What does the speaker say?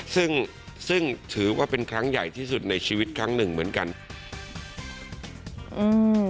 ซึ่งซึ่งถือว่าเป็นครั้งใหญ่ที่สุดในชีวิตครั้งหนึ่งเหมือนกันอืม